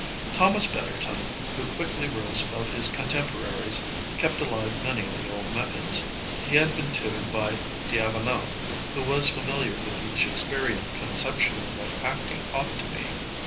Thomas Betterton, who Digitized by LjOOQIC 554 TEE ACTOR IN ENGLAND quickly rose above his contemporaries, kept alive many of the old methods. He had been tutored by D'Avenant, who was familiar with the Shake spearean conception of what acting ought to be.